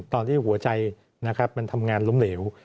ตอนที่หัวใจนะครับมันทำงานล้มเหลว